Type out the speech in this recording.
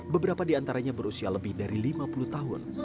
beberapa diantaranya berusia lebih dari lima puluh tahun